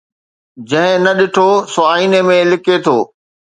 جنهن نه ڏٺو سو آئيني ۾ لڪي ٿو